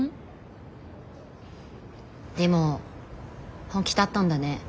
でも本気だったんだね